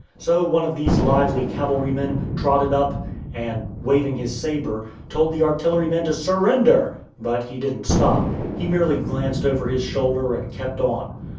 So one of these lively cavalrymen trotted up, and, waving his sabre, told the artilleryman to "surrender!" But he didn't stop. He merely glanced over his shoulder, and kept on.